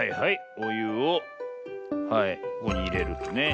おゆをはいここにいれるとね。